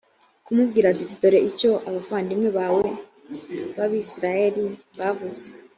kumubwira ziti «dore icyo abavandimwe bawe b’abayisraheli bavuze.